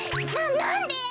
ななんで？